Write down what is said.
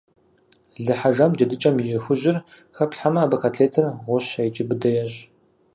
Лы хьэжам джэдыкӀэм и хужьыр хэплъхьэмэ, абы котлетыр гъущэ икӀи быдэ ещӀ.